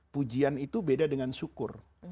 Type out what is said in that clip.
pujian itu beda dengan syukur